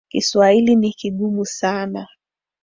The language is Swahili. Kiswahili ni kigumu sana.